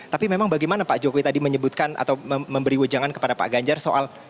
tapi memang bagaimana pak jokowi tadi menyebutkan atau memberi wejangan kepada pak ganjar soal